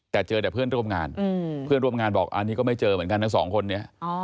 แต่เจอแต่เพื่อนร่วมงานเพื่อนร่วมงานบอกอันนี้ก็ไม่เจอเหมือนกันทั้งสองคนนี้